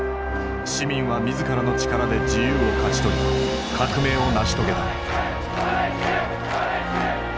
市民は自らの力で自由を勝ち取り革命を成し遂げた。